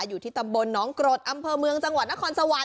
อยู่ที่ตำบลน้องกรดอำเภอเมืองจังหวัดนครสวรรค